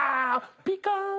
ピカーン。